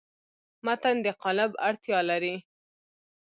متن د قالب اړتیا لري.